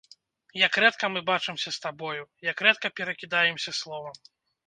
Як рэдка мы бачымся з табою, як рэдка перакідаемся словам!